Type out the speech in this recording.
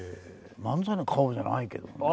漫才の顔じゃないけどな。